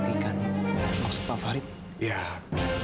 masa pak ridwan